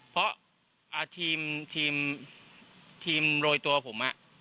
เพราะทีมโรยตัวผม